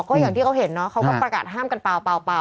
ก็อย่างที่เขาเห็นเนาะเขาก็ประกาศห้ามกันเปล่า